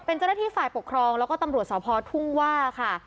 เป็นเจ้าหน้าที่ฝ่ายปกครองแล้วก็ตำรวจสพทุ่งว่าค่ะ